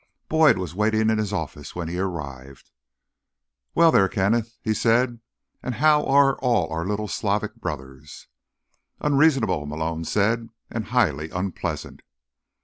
Boyd was waiting in his office when he arrived. "Well, there, Kenneth," he said. "And how are all our little Slavic brothers?" "Unreasonable," Malone said, "and highly unpleasant."